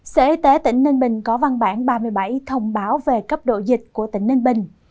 sở y tế tỉnh ninh bình có văn bản ba mươi bảy thông báo về cấp độ dịch của tỉnh ninh bình